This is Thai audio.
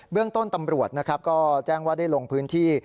เรื่องต้นตำรวจนะครับก็แจ้งว่าได้ลงพื้นที่